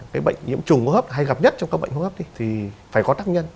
cái bệnh nhiễm trùng hấp hay gặp nhất trong các bệnh hô hấp thì phải có tác nhân